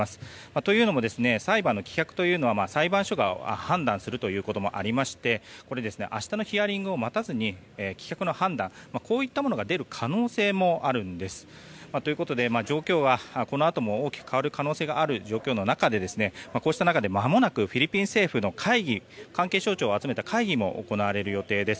というのも裁判の棄却というのは裁判所が判断するということもありまして明日のヒアリングを待たずに棄却の判断こういったものが出る可能性もあるんです。ということで、状況はこのあとも大きく変わる可能性がある状況の中で、こうした中でまもなくフィリピン政府の関係省庁を集めた会議が行われる予定です。